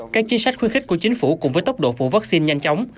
các chính sách khuyến khích của chính phủ cùng với tốc độ phủ vaccine nhanh chóng